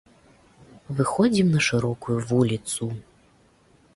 Выходзім на шырокую вуліцу.